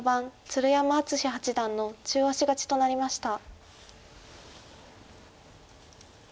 鶴山淳志八段の中押し勝ちとなりました。